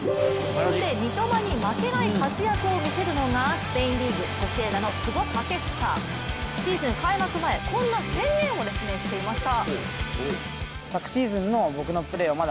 そして三笘に負けない活躍を見せるのがスペインリーグ、ソシエダの久保建英試合前にこんな宣言をしていました。